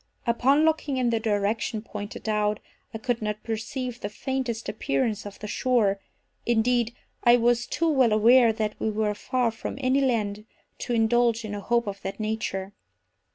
Upon looking in the direction pointed out, I could not perceive the faintest appearance of the shore—indeed, I was too well aware that we were far from any land to indulge in a hope of that nature.